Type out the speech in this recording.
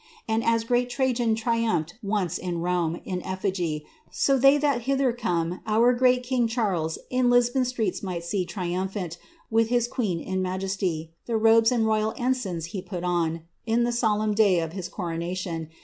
And as great Tn^jan triumphed onee in Rome In effigj, so thej tliat hither come Our great king Charles in Lisbon streets might tee Triumphant, with his queen in majesty. The robes and royal ensigns he put on r die solemn day of his coronation.